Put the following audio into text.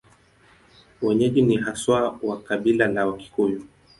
Wenyeji ni haswa wa kabila la Wakikuyu.